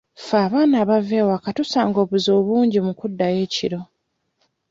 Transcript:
Ffe abaana abava ewaka tusanga obuzibu bungi mu kuddayo ekiro.